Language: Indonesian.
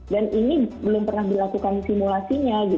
dan ini belum pernah dilakukan simulasinya gitu ya